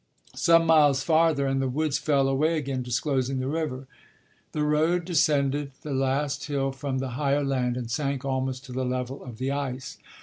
Some miles farther, and the woods fell away again, disclosing the river. The road descended the last hill from the higher land and sank almost to the level of the ice.